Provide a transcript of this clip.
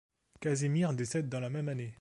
Casimir décède dans la même année.